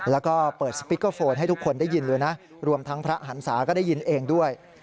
แล้วก็เปิดสปิกเกอร์โฟนให้ทุกคนได้ยินเลยนะรวมทั้งพระหันศาก็ได้ยินเองด้วย